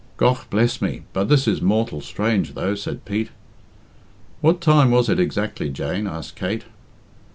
"Gough bless me, but this is mortal strange, though," said Pete. "What time was it exactly, Jane?" asked Kate.